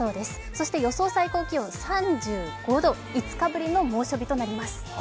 そして予想最高気温３５度、５日ぶりの猛暑日となります。